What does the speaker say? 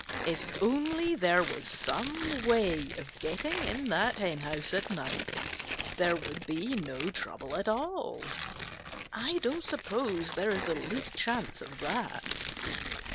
If only there was some way of getting in that henhouse at night, there would be no trouble at all. I don't suppose there is the least chance of that."